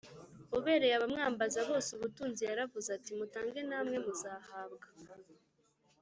“ubereye abamwambaza bose ubutunzi” yaravuze ati, “mutange namwe muzahabwa;